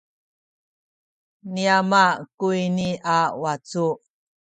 ni ama kuyni a wacu.